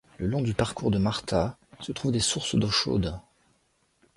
Le long du parcours de Marta se trouvent des sources d'eau chaude.